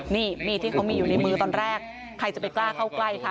นี่มีดที่เขามีอยู่ในมือตอนแรกใครจะไปกล้าเข้าใกล้คะ